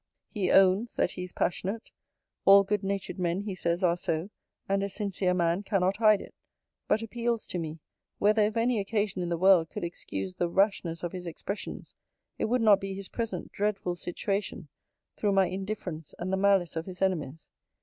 He owns, 'That he is passionate: all good natured men, he says, are so; and a sincere man cannot hide it.' But appeals to me, 'Whether, if any occasion in the world could excuse the rashness of his expressions, it would not be his present dreadful situation, through my indifference, and the malice of his enemies.'